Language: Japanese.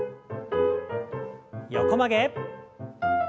横曲げ。